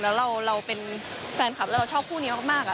แล้วเราเป็นแฟนคาร์ปแล้วชอบผู้นี้มาก